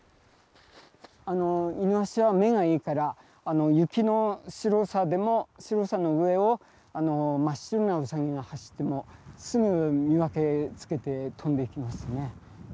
イヌワシは目がいいから雪の白さでも白さの上を真っ白なウサギが走ってもすぐ見分けつけて飛んでいきますね。